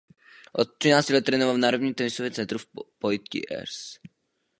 Od třinácti let trénoval v Národním tenisovém centru v Poitiers.